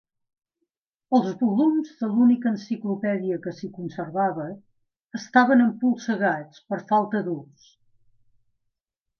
Els volums de l'única enciclopèdia que s'hi conservava estaven empolsegats per falta d'ús.